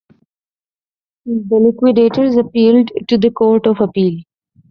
The liquidators appealed to the Court of Appeal.